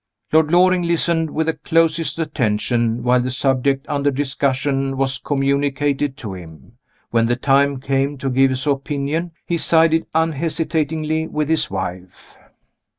Lord Loring listened with the closest attention while the subject under discussion was communicated to him. When the time came to give his opinion, he sided unhesitatingly with his wife.